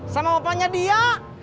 sama bapaknya dia